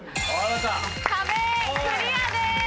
壁クリアです